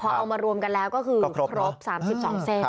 พอเอามารวมกันแล้วก็คือครบ๓๒เส้น